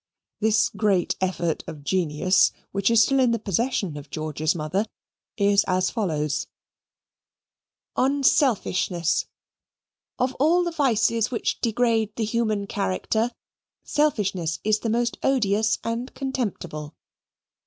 This great effort of genius, which is still in the possession of George's mother, is as follows: On Selfishness Of all the vices which degrade the human character, Selfishness is the most odious and contemptible.